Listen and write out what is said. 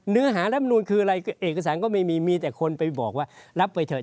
เนื้อหารับนูลคืออะไรเอกสารก็ไม่มีมีแต่คนไปบอกว่ารับไปเถอ